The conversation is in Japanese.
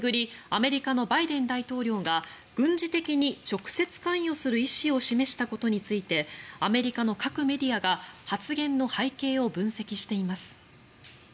アメリカのバイデン大統領が軍事的に直接関与する意思を示したことについてアメリカの各メディアが発言の背景を分析しています。